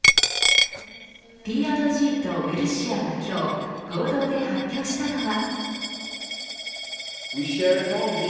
Ｐ＆Ｇとウエルシアが今日合同で発表したのは。